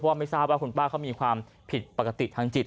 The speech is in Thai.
ไม่ทราบว่าคุณป้าเขามีความผิดปกติทางจิต